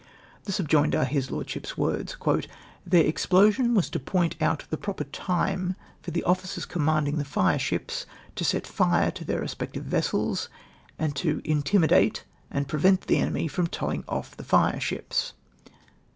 ! The subjoined are his Lordship's words :—" Their explo sion was to point out the 2)ro2:)er time for the officers comma ndinij the fireships to set fire to their respective vessels, and to intimidate and prevent the enemy from towing ofl^ the fireships."